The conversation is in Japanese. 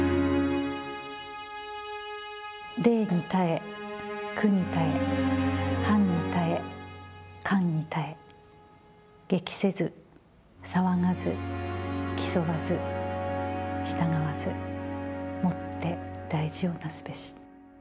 冷に耐え、苦に耐え、煩に耐え、館に堪え、激せず、騒がず、競わず、従わず、もって大事をなすべし。